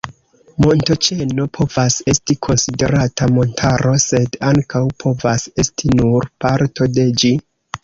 Montoĉeno povas esti konsiderata montaro, sed ankaŭ povas esti nur parto de ĝi.